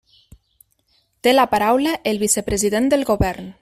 Té la paraula el vicepresident del Govern.